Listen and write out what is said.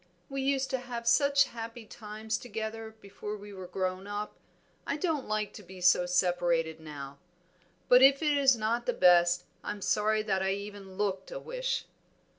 We used to have such happy times together before we were grown up, I don't like to be so separated now. But if it is not best, I'm sorry that I even looked a wish."